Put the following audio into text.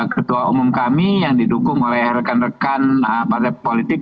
ketua umum kami yang didukung oleh rekan rekan partai politik